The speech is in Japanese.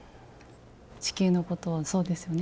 地球のことをそうですよね